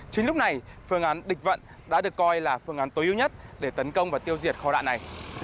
chính lúc này phương án địch vận đã được coi là phương án tối ưu nhất để tấn công và tiêu diệt kho đạn này